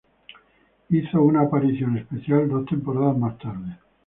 Hizo una aparición especial dos temporadas más tarde.